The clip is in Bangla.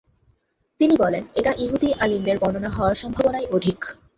তিনি বলেন, এটা ইহুদী আলিমদের বর্ণনা হওয়ার সম্ভাবনাই অধিক।